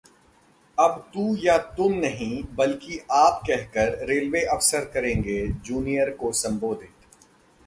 अब तू या तुम नहीं बल्कि आप कहकर रेलवे अफसर करेंगे जूनियर को संबोधित